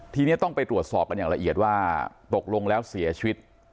ทีนี้ต้องไปตรวจสอบกันอย่างละเอียดว่าตกลงแล้วเสียชีวิต